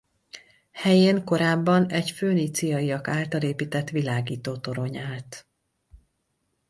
Helyén korábban egy föníciaiak által épített világítótorony állt.